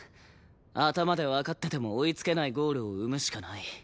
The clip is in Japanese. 頭でわかってても追いつけないゴールを生むしかない。